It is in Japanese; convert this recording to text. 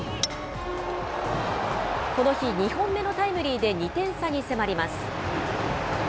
この日、２本目のタイムリーで２点差に迫ります。